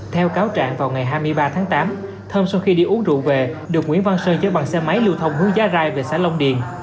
theo cáo trạng vào ngày hai mươi ba tháng tám thơm sau khi đi uống rượu về được nguyễn văn sơn chở bằng xe máy lưu thông hướng giá rai về xã long điền